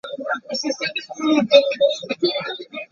Moe Dee himself has stated that this was his worst album.